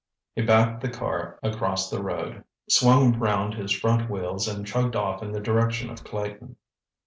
He backed the car across the road, swung round his front wheels and chugged off in the direction of Clayton.